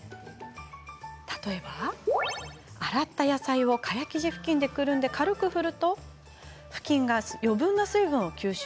例えば、洗った野菜を蚊帳生地ふきんでくるんで軽く振るとふきんが余分な水分を吸収。